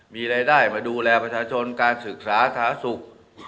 มีรายได้มาดูแลประชาชนการศึกษาสาธารณสุข